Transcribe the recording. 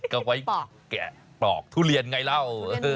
ก็ไว้แกะปลอกทุเรียนไงเล่า